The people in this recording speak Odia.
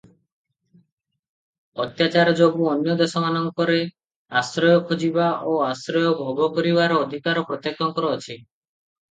ଅତ୍ୟାଚାର ଯୋଗୁ ଅନ୍ୟ ଦେଶମାନଙ୍କରେ ଆଶ୍ରୟ ଖୋଜିବା ଓ ଆଶ୍ରୟ ଭୋଗକରିବାର ଅଧିକାର ପ୍ରତ୍ୟେକଙ୍କର ଅଛି ।